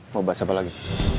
mau buat siapa lagi